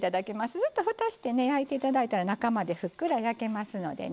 ずっとふたして焼いて頂いたら中までふっくら焼けますのでね。